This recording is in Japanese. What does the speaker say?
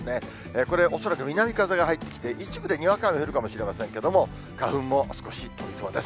これ、恐らく南風が入ってきて、一部でにわか雨降るかもしれませんけれども、花粉も少し飛びそうです。